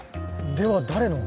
では誰の？